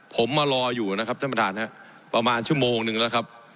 ผมมารออยู่นะครับท่านประธานฮะประมาณชั่วโมงนึงแล้วครับ